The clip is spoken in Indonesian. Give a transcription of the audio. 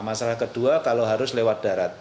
masalah kedua kalau harus lewat darat